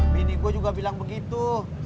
bini gue juga bilang begitu